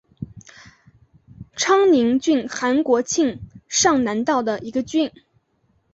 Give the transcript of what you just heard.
昌宁郡韩国庆尚南道的一个郡。